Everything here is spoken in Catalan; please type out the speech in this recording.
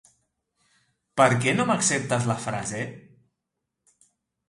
Per què no m'acceptes la frase?